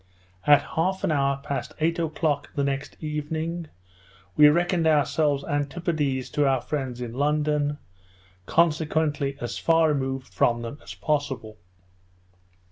At half an hour past eight o'clock the next evening, we reckoned ourselves antipodes to our friends in London, consequently as far removed from them as possible.